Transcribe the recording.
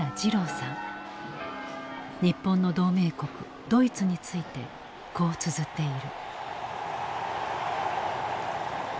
日本の同盟国ドイツについてこうつづっている。